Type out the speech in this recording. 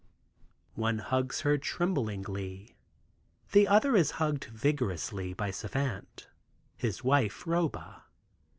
One hugs her tremblingly. The other is hugged vigorously by Savant, his wife Roba.